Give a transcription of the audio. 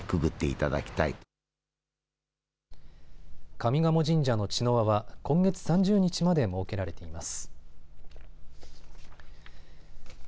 上賀茂神社の茅の輪は今月３０日まで設けられています。